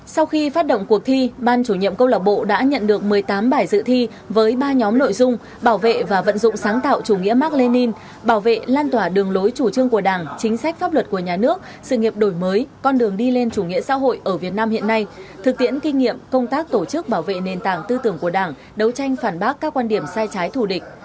sau khi phát động cuộc thi ban chủ nhiệm công lập bộ đã nhận được một mươi tám bài dự thi với ba nhóm nội dung bảo vệ và vận dụng sáng tạo chủ nghĩa mark lenin bảo vệ lan tỏa đường lối chủ trương của đảng chính sách pháp luật của nhà nước sự nghiệp đổi mới con đường đi lên chủ nghĩa xã hội ở việt nam hiện nay thực tiễn kinh nghiệm công tác tổ chức bảo vệ nền tảng tư tưởng của đảng đấu tranh phản bác các quan điểm sai trái thù địch